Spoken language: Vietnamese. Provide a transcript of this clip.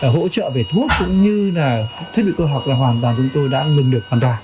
hỗ trợ về thuốc cũng như là thiết bị cơ học là hoàn toàn chúng tôi đã ngừng được hoàn toàn